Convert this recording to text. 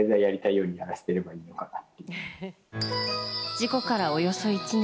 事故からおよそ１年。